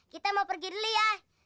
kita mau pergi dulu ya